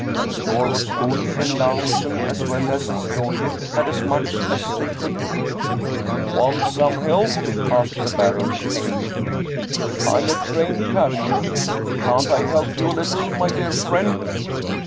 The store was full, and Lahusen as well as his daughter had as much as they could do. " Want some help ?" asked the Baron amiably. " I'm a trained cashier ; can't I help you a little, my dear friend